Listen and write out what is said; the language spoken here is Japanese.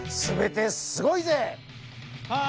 全てすごいぜ！